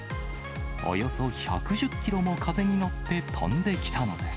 およそ１１０キロも風に乗って飛んできたのです。